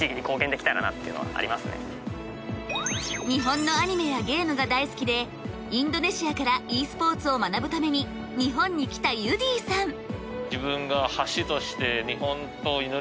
日本のアニメやゲームが大好きでインドネシアからｅスポーツを学ぶために日本に来たユディさん。